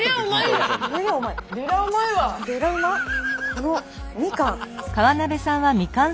このみかん。